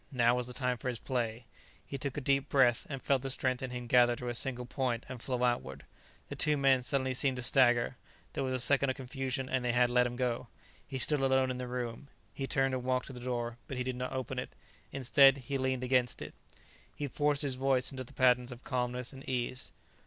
Now was the time for his play. He took a deep breath and felt the strength in him gather to a single point and flow outward. The two men suddenly seemed to stagger; there was a second of confusion and they had let him go. He stood alone in the room. He turned and walked to the door, but he did not open it. Instead, he leaned against it. He forced his voice into the patterns of calmness and ease.